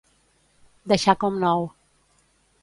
Deixar com nou.